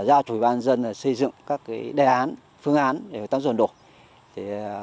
giao thủy ban dân xây dựng các đề án phương án về các rồn đổi